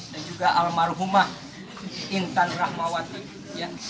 dan juga almakumah intan rahmawati